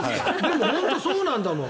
本当にそうなんだもん。